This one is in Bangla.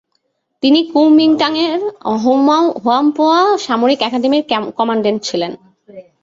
তিনি কুওমিঙটাঙের হোয়ামপোয়া সামরিক অ্যাকাডেমির কমান্ড্যান্ট ছিলেন।